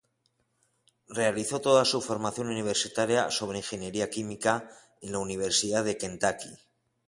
Realizó toda su formación universitaria sobre ingeniería química en la Universidad de Kentucky.